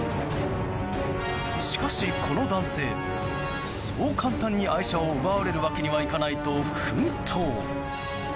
しかし、この男性そう簡単に愛車を奪われるわけにはいかないと奮闘。